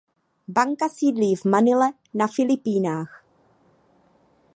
Banka sídlí v Manile na Filipínách.